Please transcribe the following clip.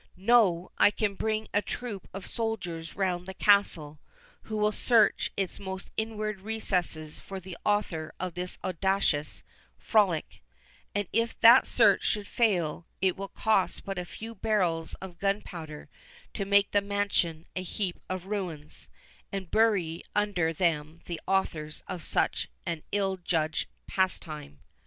Know, I can bring a troop of soldiers round the castle, who will search its most inward recesses for the author of this audacious frolic; and if that search should fail, it will cost but a few barrels of gunpowder to make the mansion a heap of ruins, and bury under them the authors of such an ill judged pastime."